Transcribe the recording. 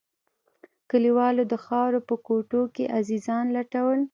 كليوالو د خاورو په کوټو کښې عزيزان لټول.